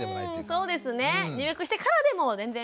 そうですね。入学してからでも全然。